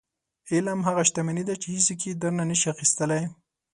• علم هغه شتمني ده چې هیڅوک یې درنه نشي اخیستلی.